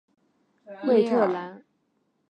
普拉迪耶尔。